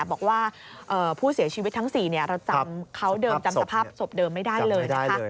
บอกว่าผู้เสียชีวิตทั้ง๔เราจำเขาเดิมจำสภาพศพเดิมไม่ได้เลยนะคะ